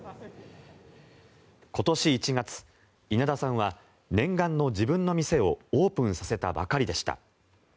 今年１月、稲田さんは念願の自分の店をオープンさせたばかりでした。